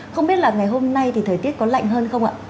không biết là ngày hôm nay thì thời tiết có lạnh hơn không ạ